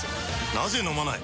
なぜ飲まない？